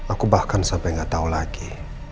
aku bahkan sampai gak tahu lagi